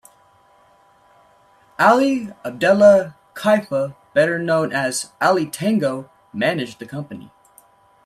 Ali Abdella Kaifa, better known as Ali Tango, managed the company.